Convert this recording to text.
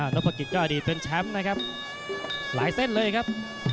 นพกิจก็อดีตเป็นแชมป์นะครับหลายเส้นเลยครับ